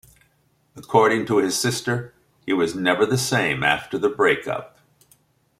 According to his sister, he was never the same after the break-up.